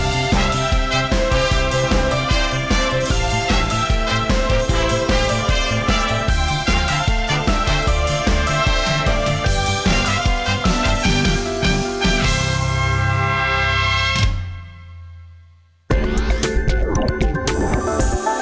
สวัสดีค่ะ